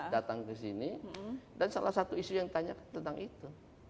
datang ke sini dan salah satu isu yang ditanya tentang itu